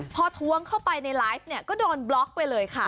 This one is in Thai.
พอทวงเข้าไปในไลฟ์เนี่ยก็โดนบล็อกไปเลยค่ะ